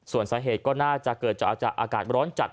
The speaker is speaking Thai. ส่วนสาเหตุก็น่าจะเกิดจากอากาศร้อนจัด